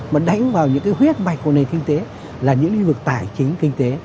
mà đánh vào những cái huyết mạch của nền kinh tế là những lĩnh vực tài chính kinh tế